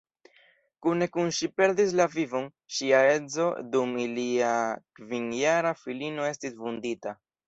Kune kun ŝi perdis la vivon ŝia edzo dum ilia kvinjara filino estis vundita.